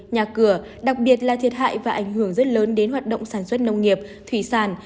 nhà cửa đặc biệt là thiệt hại và ảnh hưởng rất lớn đến hoạt động sản xuất nông nghiệp thủy sản